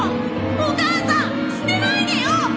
お母さん捨てないでよ！